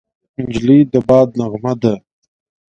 نجلۍ د باد نغمه ده.